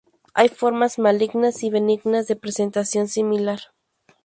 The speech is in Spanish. Hay formas malignas y benignas, de presentación similar.